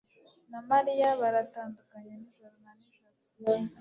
na Mariya baratandukanye nijoro na nijoro.